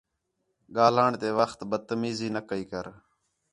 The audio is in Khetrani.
ڳاھلݨ تے وَخت بد تمیزی نہ کَئی کر